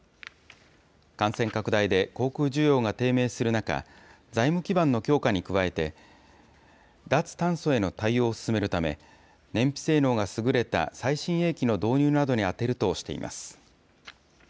感染拡大で航空需要が低迷する中、財務基盤の強化に加えて、脱炭素への対応を進めるため、燃費性能が優れた最新鋭機の導入などに充てるとしています。